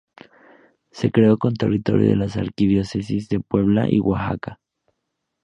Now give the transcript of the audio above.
Se creó con territorio de las Arquidiócesis de Puebla y Oaxaca.